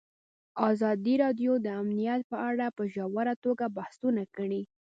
ازادي راډیو د امنیت په اړه په ژوره توګه بحثونه کړي.